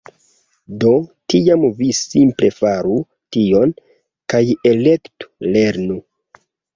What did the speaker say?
Do, tiam vi simple faru tion! kaj elektu "lernu"